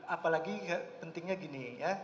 apalagi pentingnya gini ya